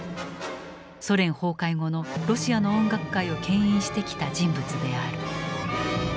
ソ連崩壊後のロシアの音楽界を牽引してきた人物である。